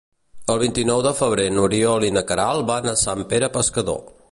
El vint-i-nou de febrer n'Oriol i na Queralt van a Sant Pere Pescador.